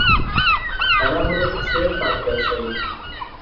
তারা মূলত ছিলেন পাট ব্যবসায়ী।